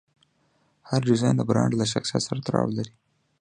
هر ډیزاین د برانډ له شخصیت سره تړاو لري.